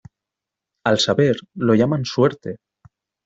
Al saber lo llaman suerte.